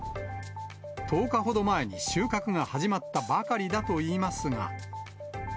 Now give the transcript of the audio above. １０日ほど前に収穫が始まったばかりだといいますが。